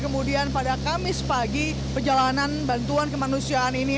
kemudian pada kamis pagi perjalanan bantuan kemanusiaan ini